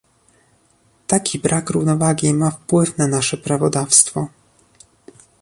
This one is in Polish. Taki brak równowagi ma wpływ na nasze prawodawstwo